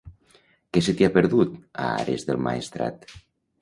Què se t'hi ha perdut, a Ares del Maestrat?